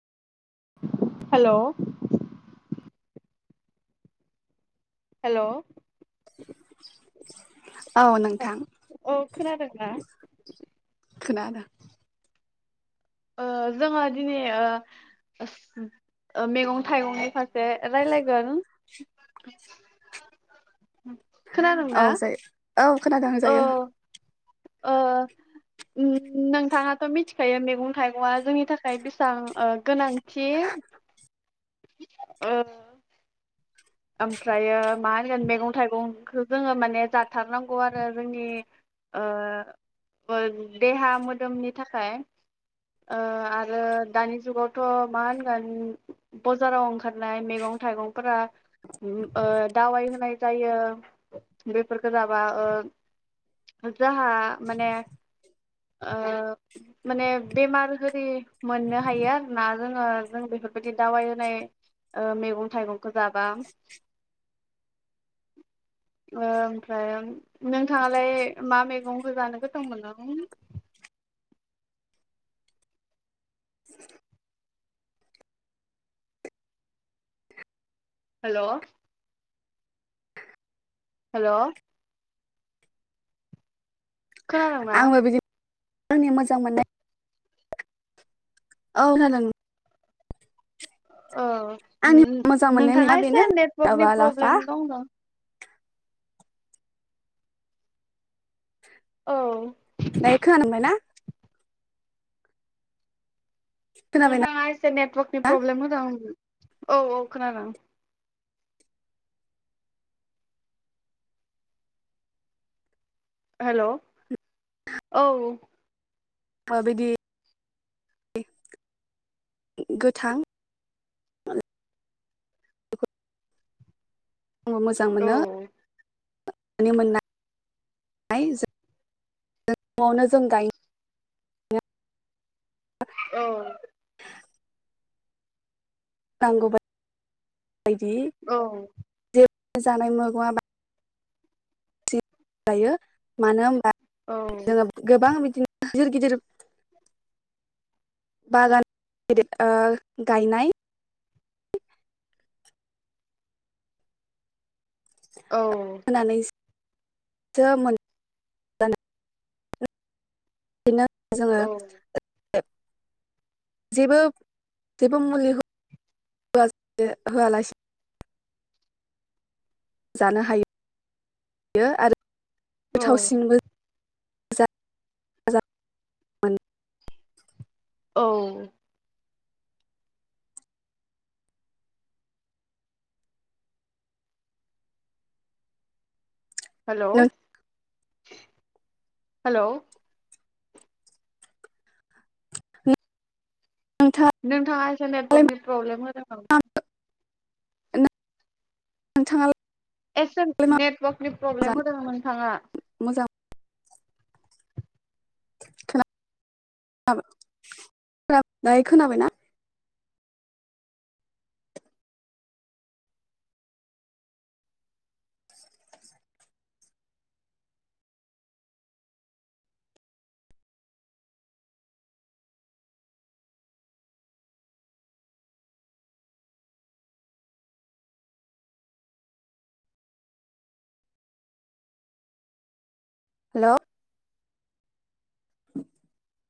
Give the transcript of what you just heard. Hello hello औ नोंथां खोनादोंना? खोनादों ओ जोङो दिनै ओ ओ मैगं थाइगंनि फारसे रायलायगोन औ खोनादोंना जायो औ खोनादों औ जायो ओ उम नोंथाङाथ' मिथिखायो मैगं थाइगंआ जोंनि थाखाय बेसेबां ओ गोनां थि ओ आमफ्रायो मा होनगोन मैगं थाइगंखौ जोङो माने जाथारनांगौ आरो जोंनि ओ देहा मोदोमनि थाखाय ओ आरो दानि जुगावथ' मा होनगोन बाजाराव ओंखारनाय मेगं थाइगंफोरा ओ दावाइ होनाय जायो बेफोरखौ जाबा ओ जाहा माने ओ माने बेमार आरि मोननो हायो आरोना जोङो जों बे बेफोरबायदि दावाय होनाय ओ मैगं थाइगंखौ जाबा [inaudible] ओ ओमफ्राय नोंथाङालाय मा मैगंखौ जानो गोथाव मोनो? [inaudible] हेल' हेल' खोनादोंंना आंबो बिदिनो आंनि मोजां मोननाय औ खोनादों। ओ आंनि मोजां मोननाय नोंथाङा मैगंआ एसे बेनो नेटवर्कनि माबा लाफा प्रब्लेम दं [unintelligible] औ दायो खोनाबाय ना खोनाबायना नोंथाङा एसे नेटवर्कनि प्रब्लेम होदों औ औ खोनादों हेल' औ अ बिदि गोथां [unintelligible] औ न'आवनो हेलौ जों गायनो औ नांगौबा औ जानाय मैगं आ जायो मानो होनबा जोङो गोबां बिदिनो गिदिर गिदिर बागान गिदिर ओ गायनाय औ [unintelligible] बिदिनो जोङो जेबो जेबो मुलि होआलासिनो जानो हायो आरो गोथावसिनबो [unintelligible] औ हेल' हेल' नोंथाङालाय नोंथाङा एसे नेटवर्कनि प्रब्लेम होदों नामा? नोंथाङा एसे नेटवर्कनि प्रब्लेम होदों नोंथाङा मोजां खोनाबाय खोनाबाय दायो खोनाबायना। हेल'